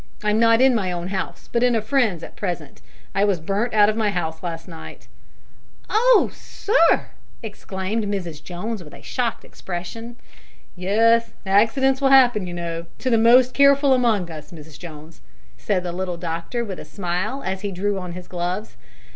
I'm not in my own house, but in a friend's at present; I was burnt out of my house last night." "Oh, sir!" exclaimed Mrs Jones with a shocked expression. "Yes; accidents will happen, you know, to the most careful among us, Mrs Jones," said the little doctor, with a smile, as he drew on his gloves.